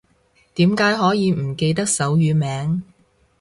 點解可以唔記得手語名